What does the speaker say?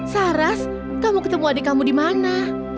saras kamu ketemu adik kamu di mana